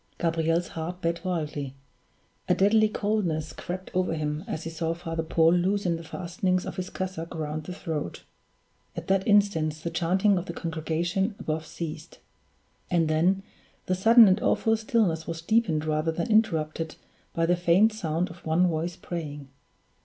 Gabriel's heart beat wildly; a deadly coldness crept over him as he saw Father Paul loosen the fastening of his cassock round the throat. At that instant the chanting of the congregation above ceased; and then the sudden and awful stillness was deepened rather than interrupted by the faint sound of one voice praying.